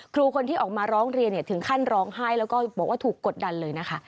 ครูคนที่ออกมาร้องเรียนถึงขั้นร้องไห้แล้วก็บอกว่าถูกกดดันเลยนะคะ